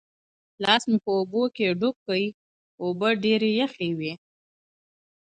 لاس مې په اوبو کې ډوب کړ چې ډېرې یخې وې.